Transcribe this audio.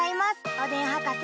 おでんはかせ。